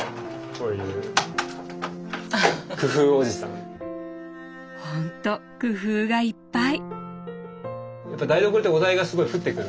こういうほんと工夫がいっぱい！